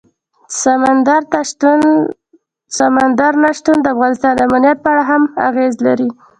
سمندر نه شتون د افغانستان د امنیت په اړه هم اغېز لري.